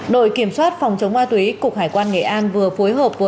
đội kiểm soát phòng chống ma túy cục hải quan nghệ an vừa phối hợp với